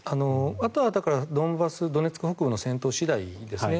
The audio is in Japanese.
あとはドンバスドネツク北部の戦闘次第ですね。